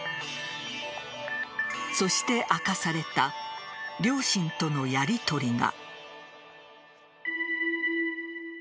そして、明かされた両親とのやりとりが。